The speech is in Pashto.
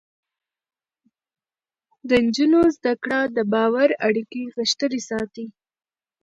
د نجونو زده کړه د باور اړیکې غښتلې ساتي.